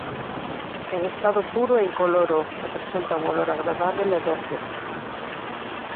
En estado puro é incoloro e presenta un olor agradábel e doce.